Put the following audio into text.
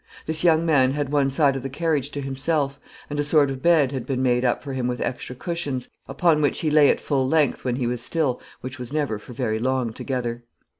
This young man had one side of the carriage to himself; and a sort of bed had been made up for him with extra cushions, upon which he lay at full length, when he was still, which was never for very long together.